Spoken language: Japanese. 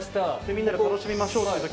みんなで楽しみましょうって時。